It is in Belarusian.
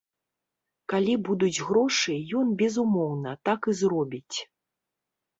Калі будуць грошы, ён, безумоўна, так і зробіць.